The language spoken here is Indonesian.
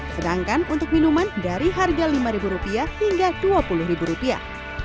sedangkan untuk minuman dari harga lima rupiah hingga dua puluh ribu rupiah